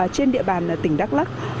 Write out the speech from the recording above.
trên địa bàn tỉnh đắk lắc